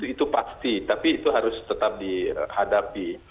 itu pasti tapi itu harus tetap dihadapi